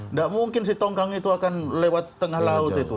nggak mungkin si tongkang itu akan lewat tengah laut itu